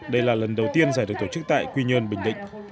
đây là lần đầu tiên giải được tổ chức tại quy nhơn bình định